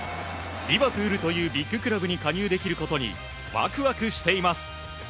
リバプールというビッグクラブに加入できることにワクワクしています。